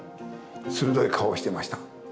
鋭い顔をしてました。